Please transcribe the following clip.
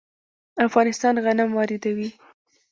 افغانستان غنم واردوي.